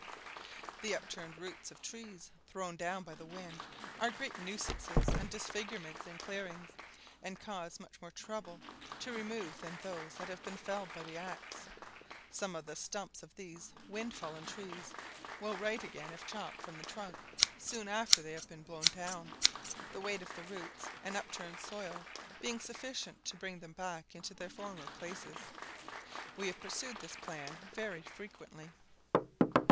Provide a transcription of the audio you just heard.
The upturned roots of trees thrown down by the wind are great nuisances and disfigurements in clearings, and cause much more trouble to remove than those that have been felled by the axe. Some of the stumps of these wind fallen trees will right again if chopped from the trunk soon after they have been blown down, the weight of the roots and upturned soil being sufficient to bring them back into their former places; we have pursued this plan very frequently.